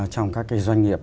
trong các cái doanh nghiệp